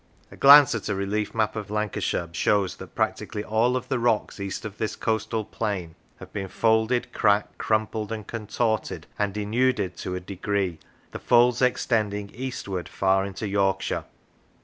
A glance at a relief map of Lancashire shows that practically all of the rocks east of this coastal plain have been folded, cracked, crumpled, and contorted and denuded to a degree, the folds extending eastward far into Yorkshire.